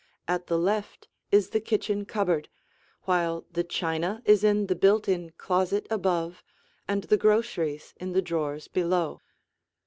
At the left is the kitchen cupboard, while the china is in the built in closet above and the groceries in the drawers below.